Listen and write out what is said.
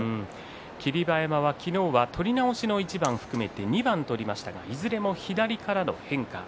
霧馬山は昨日は取り直しの一番を含めて２番取りましたがいずれも左からの変化。